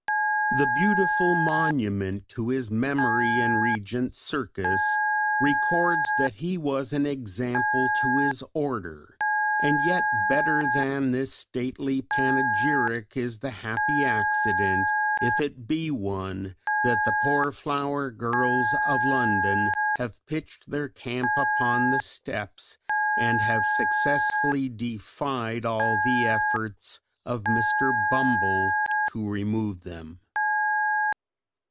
The beautiful monument to his memory in Regent Circus records that he was "an example to his order," and yet better than this stately panegyric is the happy accident, if it be one, that the poor flower girls of London have pitched their camp upon the steps, and have successfully defied all the efforts of Mr. Bumble to remove them.